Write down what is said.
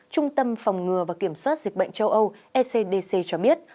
trung tâm phòng ngừa và kiểm soát dịch bệnh châu âu ecdc cho biết